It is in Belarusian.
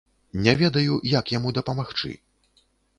Не ведаю, як яму дапамагчы.